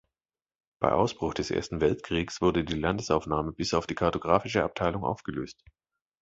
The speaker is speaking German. Bei Ausbruch des Ersten Weltkriegs wurde die Landesaufnahme bis auf die Kartographische Abteilung aufgelöst.